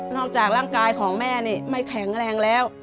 จากร่างกายของแม่นี่ไม่แข็งแรงแล้ว